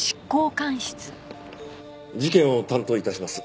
事件を担当致します